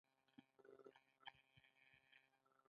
هغه د پاک مینه پر مهال د مینې خبرې وکړې.